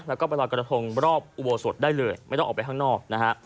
แล้วก็ไปลอยกระทงรอบอุโบสถได้เลยไม่ต้องออกไปข้างนอกนะฮะ